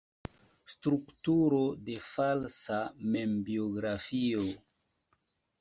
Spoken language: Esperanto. Strukturo de falsa membiografio.